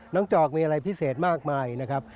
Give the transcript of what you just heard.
จอกมีอะไรพิเศษมากมายนะครับ